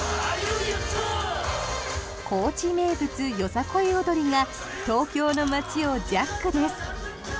高知名物、よさこい踊りが東京の街をジャックです。